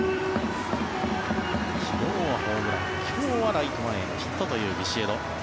昨日はホームラン今日はライト前へのヒットというビシエド。